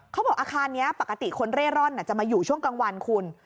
เขาบอกอาคารนี้ปกติคนเร่ร่อนจะมาอยู่ช่วงกลางวันคุณ